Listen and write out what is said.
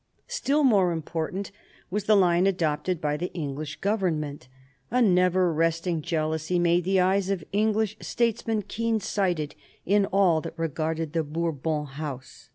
Still more important was the line adopted by the English Government A never resting jealousy made the eyes of English statesmen keen sighted in all that regarded the Bourbon House.